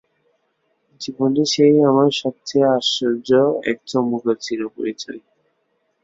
জীবনে সেই আমার সব-চেয়ে আশ্চর্য একচমকের চিরপরিচয়।